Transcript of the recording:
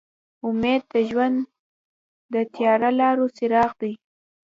امید د ژوند د تیاره لارو څراغ دی.